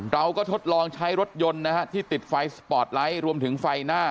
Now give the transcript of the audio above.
ทดลองใช้รถยนต์นะฮะที่ติดไฟสปอร์ตไลท์รวมถึงไฟหน้า